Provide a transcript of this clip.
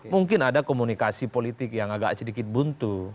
mungkin ada komunikasi politik yang agak sedikit buntu